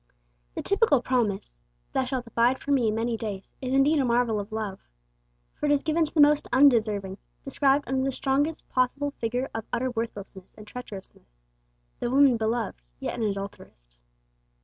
The typical promise, 'Thou shalt abide for Me many days,' is indeed a marvel of love. For it is given to the most undeserving, described under the strongest possible figure of utter worthlessness and treacherousness, the woman beloved, yet an adulteress.